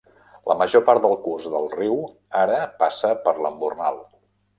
La major part del curs del riu ara passa per l'embornal.